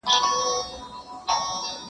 له پاڼو تشه ونه-